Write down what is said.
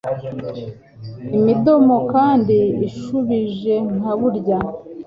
Imidomo kandi ishubije nka burya